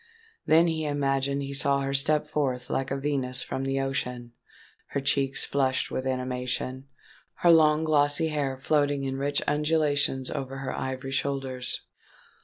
Then he imagined he saw her step forth like a Venus from the ocean—her cheeks flushed with animation—her long glossy hair floating in rich undulations over her ivory shoulders.